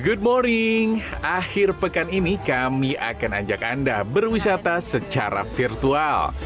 good morning akhir pekan ini kami akan ajak anda berwisata secara virtual